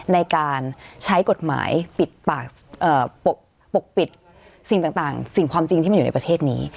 ในการใช้กฎหมายปิดปากปกปิดสิ่งต่างสิ่งความจริงที่มันอยู่ในประเทศนี้